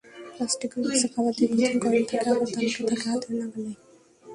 প্লাস্টিকের বক্সে খাবার দীর্ঘক্ষণ গরম থাকে আবার দামটাও থাকে হাতের নাগালে।